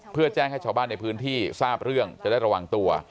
เพื่อแจ้งให้ชาวบ้านในพื้นที่ทราบเรื่องจะได้ระวังตัว